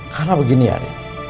karena begini arin